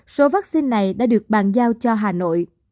số vaccine này đã được bàn giao cho hà nội